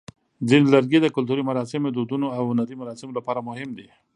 ځینې لرګي د کلتوري مراسمو، دودونو، او هنري مراسمو لپاره مهم دي.